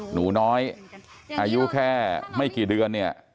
หนูน้อยอายุแค่ไม่กี่เดือนเนี่ย